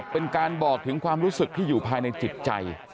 เป็นการบอกถึงความรู้สึกที่อยู่ภายในจิตใจ